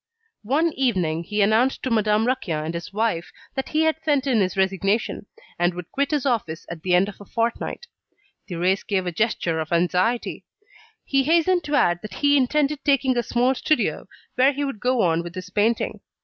One evening, he announced to Madame Raquin and his wife that he had sent in his resignation, and would quit his office at the end of a fortnight. Thérèse gave a gesture of anxiety. He hastened to add that he intended taking a small studio where he would go on with his painting.